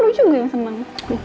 lu juga yang seneng